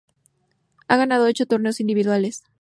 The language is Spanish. Ha ganado ocho torneos individuales.